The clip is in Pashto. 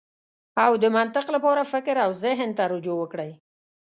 او د منطق لپاره فکر او زهن ته رجوع وکړئ.